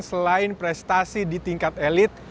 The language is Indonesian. selain prestasi di tingkat elit